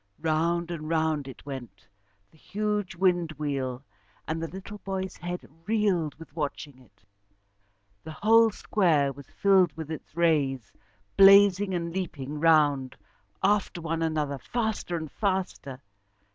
Round and round it went, the huge wind wheel, and the little boy's head reeled with watching it. The whole square was filled with its rays, blazing and leaping round after one another, faster and faster.